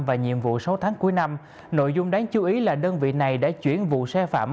và nhiệm vụ sáu tháng cuối năm nội dung đáng chú ý là đơn vị này đã chuyển vụ sai phạm